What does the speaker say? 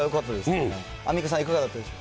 さあ、梅沢さん、いかがだったでしょう？